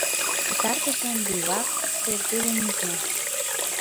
Пытартышлан бивакысе тулым ужна.